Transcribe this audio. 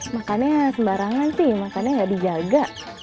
makannya sembarangan sih makannya nggak dijaga